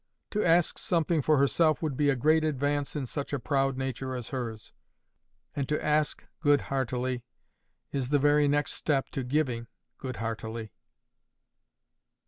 To ask something for herself would be a great advance in such a proud nature as hers. And to ask good heartily is the very next step to giving good heartily.